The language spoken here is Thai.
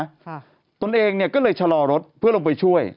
ค่ะตนเองเนี้ยก็เลยชะลอรถเพื่อลงไปช่วย